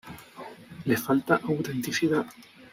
Le falta autenticidad.